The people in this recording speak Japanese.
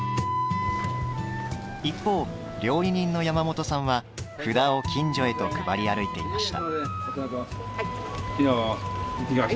一方、料理人の山本さんは札を近所へと配り歩いていました。